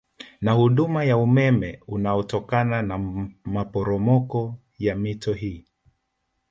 Na huduma ya umeme unaotokana na maporomoko ya mito hii